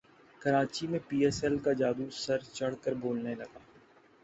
کراچی میں P S L کا جادو سر چڑھ کر بولنے لگا